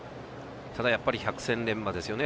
ただ、やっぱり百戦錬磨ですよね。